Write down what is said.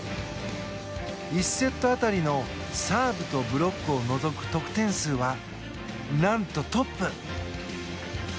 １セット当たりのサーブとブロックを除く得点数は何と、トップ。